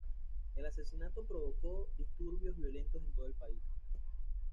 El asesinato provocó disturbios violentos en todo el país.